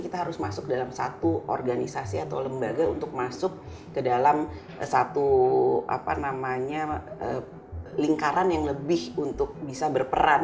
kita harus masuk dalam satu organisasi atau lembaga untuk masuk ke dalam satu lingkaran yang lebih untuk bisa berperan